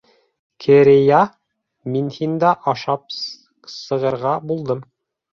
Керея, мин һиндә ашап сығырға булдым.